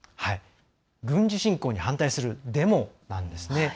軍事侵攻に反対するデモなんですね。